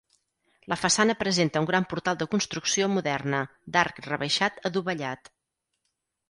La façana presenta un gran portal de construcció moderna, d'arc rebaixat adovellat.